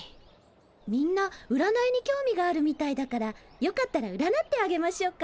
みんなうらないに興味があるみたいだからよかったらうらなってあげましょうか？